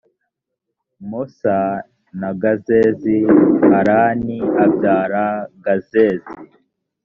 mosa na gazezi harani abyara gazezi